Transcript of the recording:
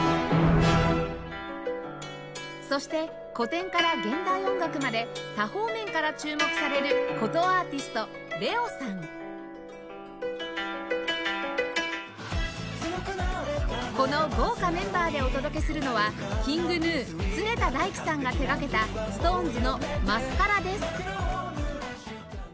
そして古典から現代音楽まで多方面から注目されるこの豪華メンバーでお届けするのは ＫｉｎｇＧｎｕ 常田大希さんが手掛けた ＳｉｘＴＯＮＥＳ の『マスカラ』です